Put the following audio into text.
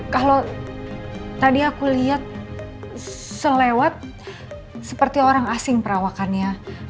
kalau tadi aku lihat selewat seperti orang asing perawakannya